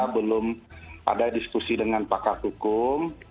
belum ada diskusi dengan pakar hukum